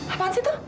apaan sih itu